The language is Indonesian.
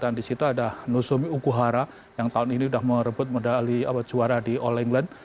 dan di situ ada nozomi ukuhara yang tahun ini sudah merebut medali juara di all england